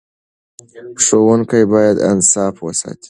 ښوونکي باید انصاف وساتي.